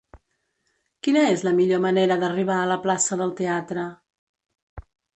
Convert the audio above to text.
Quina és la millor manera d'arribar a la plaça del Teatre?